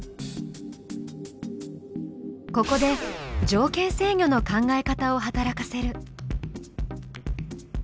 ここで「条件制御」の考え方を働かせる。